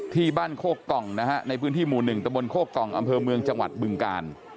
ที่บ้านโคกกล่องนะฮะในพื้นที่หมู่๑ตะบนโคกกล่องอำเภอเมืองจังหวัดบึงกาล